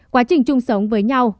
quá trình chung sống với nhau